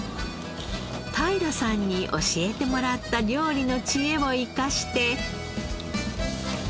太平さんに教えてもらった料理の知恵を生かして。